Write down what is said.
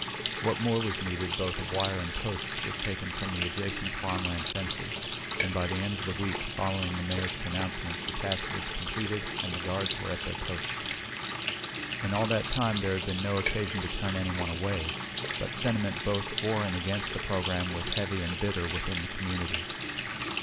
What more was needed, both of wire and posts, was taken from adjacent farmland fences, and by the end of the week following the Mayor's pronouncement the task was completed and the guards were at their posts. In all that time there had been no occasion to turn anyone away, but sentiment both for and against the program was heavy and bitter within the community.